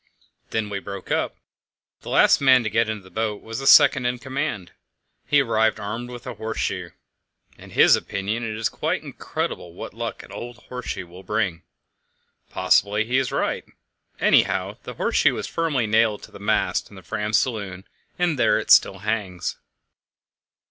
Then we broke up. The last man to get into the boat was the second in command; he arrived armed with a horseshoe. In his opinion it is quite incredible what luck an old horseshoe will bring. Possibly he is right. Anyhow, the horseshoe was firmly nailed to the mast in the Fram's saloon, and there it still hangs.